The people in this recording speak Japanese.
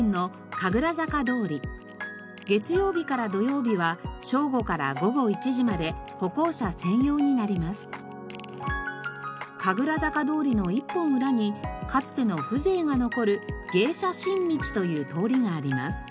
神楽坂通りの１本裏にかつての風情が残る芸者新道という通りがあります。